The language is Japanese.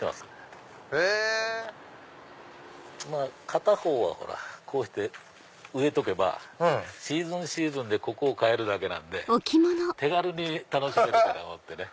片方はこうして植えとけばシーズンシーズンでここを替えるだけなんで手軽に楽しめるかと思ってね。